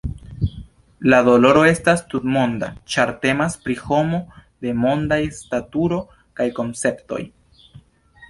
La doloro estas tutmonda, ĉar temas pri homo de mondaj staturo kaj konceptoj.